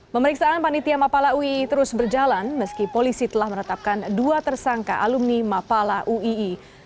pemeriksaan panitia mapala ui terus berjalan meski polisi telah menetapkan dua tersangka alumni mapala uii